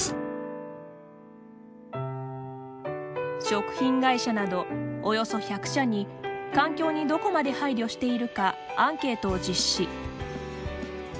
食品会社などおよそ１００社に環境にどこまで配慮しているかアンケートを実施。